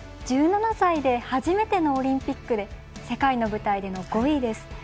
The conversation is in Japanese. １７歳で初めてのオリンピックで世界の舞台での５位です。